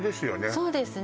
そうですね